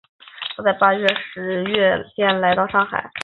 他们在八月到十月间来到上海。